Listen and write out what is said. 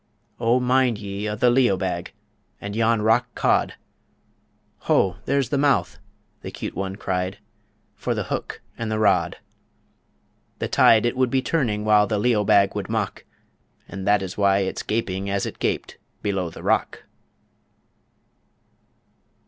O mind ye o' the Leobag And yon rock cod "Ho! there's the mouth," the 'cute one cried, "For the hook and rod!" The tide it would be turning while The Leobag would mock And that is why it's gaping as It gaped below the rock.